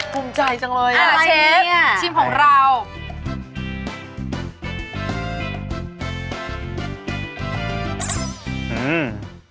เป็นอย่างไรครับ